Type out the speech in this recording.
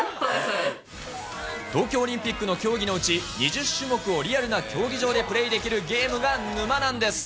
東京オリンピックの競技のうち、２０種目をリアルな競技場でプレーできるゲームが沼なんです。